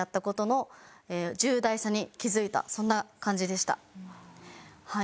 そんな感じでしたはい。